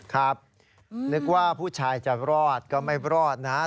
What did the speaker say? ครับนึกว่าผู้ชายจะรอดก็ไม่รอดนะฮะ